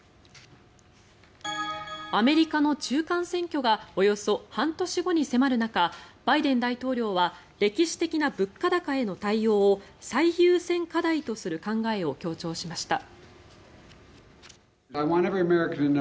アメリカの中間選挙がおよそ半年後に迫る中バイデン大統領は歴史的な物価高への対応を最優先課題とする考えを強調しました。